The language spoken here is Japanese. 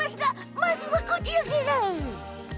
まずはこちらから。